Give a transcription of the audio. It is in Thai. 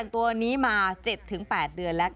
ตัวนี้มา๗๘เดือนแล้ว